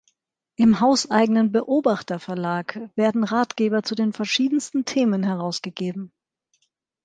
Im hauseigenen «Beobachter Verlag» werden Ratgeber zu den verschiedensten Themen herausgegeben.